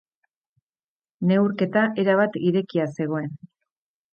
Neurketa erabat irekia zegoen.